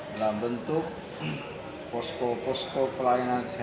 dalam bentuk posko posko pelayanan kesehatan